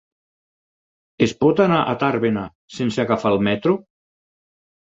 Es pot anar a Tàrbena sense agafar el metro?